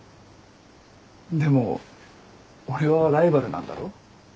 でも俺はライバルなんだろ？